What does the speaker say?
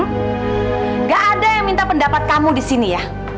tidak ada yang minta pendapat kamu di sini ya